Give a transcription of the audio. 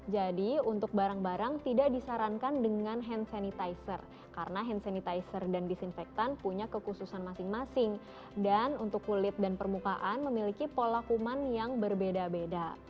jadi untuk barang barang tidak disarankan dengan hand sanitizer karena hand sanitizer dan disinfektan punya kekhususan masing masing dan untuk kulit dan permukaan memiliki pola kuman yang berbeda beda